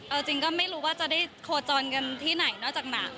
เอาจริงก็ไม่รู้ว่าจะได้โคจรกันที่ไหนนอกจากหนัง